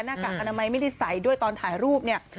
กากอนามัยไม่ได้ใส่ด้วยตอนถ่ายรูปเนี่ย